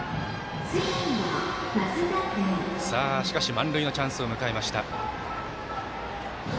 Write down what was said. しかし、満塁のチャンスを迎えました。